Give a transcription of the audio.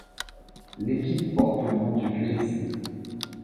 L'équipe porte le nom du Grizzly.